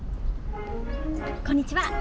こんにちは。